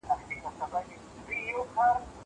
بس جنت وو زندګي وه